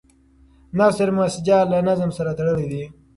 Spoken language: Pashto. نثر مسجع له نظم سره تړلی دی.